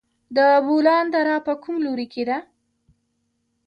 د بولان دره په کوم لوري کې ده؟